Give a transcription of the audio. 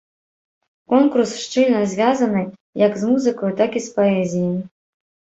Конкурс шчыльна звязаны як з музыкаю, так і з паэзіяй.